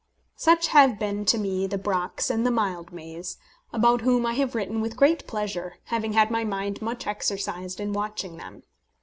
Such have been to me the Brocks and the Mildmays, about whom I have written with great pleasure, having had my mind much exercised in watching them.